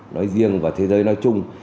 nói riêng và thế giới nói chung